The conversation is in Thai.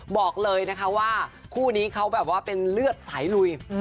บอกเลยนะคะว่าคู่นี้เขาแบบว่าเป็นเลือดสายลุย